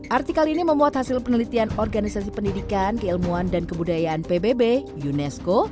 artikel ini memuat hasil penelitian organisasi pendidikan keilmuan dan kebudayaan pbb unesco